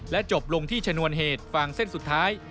จบลงที่ชนวนเหตุฟางเส้นสุดท้าย